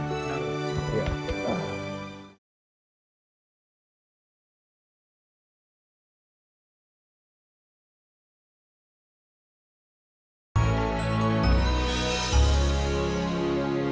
adalah ketua penguasa ku multimedia pinjaman mereka